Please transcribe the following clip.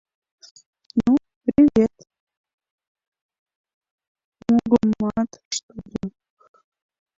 — Ну, привет, — мугыматыш тудо.